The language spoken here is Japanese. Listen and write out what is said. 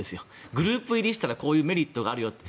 グループ入りしたらこういうメリットがあるよと。